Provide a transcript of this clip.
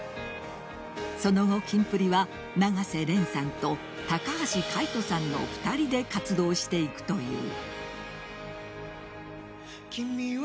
その後、キンプリは永瀬廉さんと高橋海人さんの２人で活動していくという。